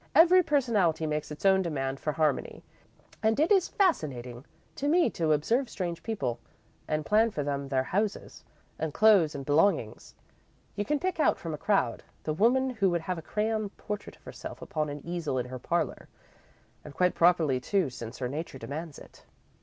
Every personality makes its own demand for harmony and it is fascinating to me to observe strange people and plan for them their houses and clothes and belongings. You can pick out, from a crowd, the woman who would have a crayon portrait of herself upon an easel in her parlour, and quite properly, too, since her nature demands it.